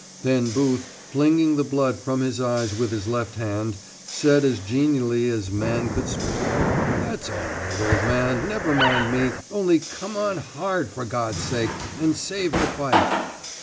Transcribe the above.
Then Booth, flinging the blood from his eyes with his left hand, said as genially as man could speak: " That's all right, old man! never mind me only come on hard, for God's sake, and save the fight!"